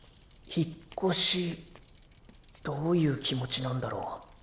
引っ越しどういう気持ちなんだろう。